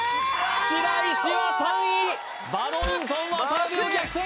白石は３位バドミントン渡辺を逆転